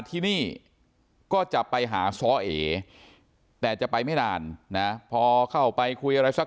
ที่นี่ก็จะไปหาซ้อเอแต่จะไปไม่นานนะพอเข้าไปคุยอะไรสัก